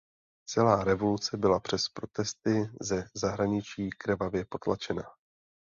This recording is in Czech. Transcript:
Celá revoluce byla přes protesty ze zahraničí krvavě potlačena.